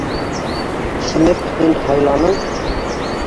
Тимәк, һин һайланың?..